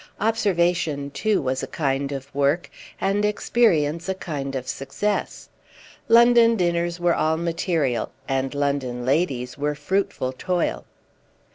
Observation too was a kind of work and experience a kind of success; London dinners were all material and London ladies were fruitful toil.